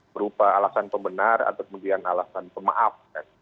berupa alasan pembenar atau kemudian alasan pemaaf